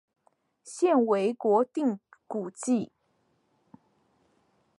现为国定古迹。